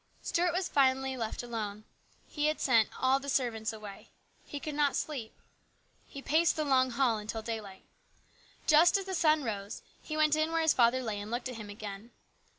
Stuart was finally left alone. He sent all the servants away. He could not sleep. He paced the long hall until daylight. Just as the sun rose, he went in where his father lay and looked at him again.